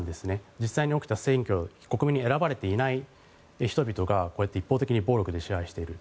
実際に起きた選挙、国民に選ばれていない人々がこうやって一方的に暴力で支配している。